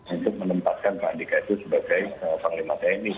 untuk menempatkan keandikan itu sebagai panglima tni